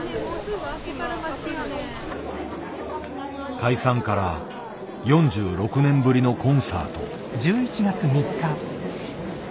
解散から４６年ぶりのコンサート。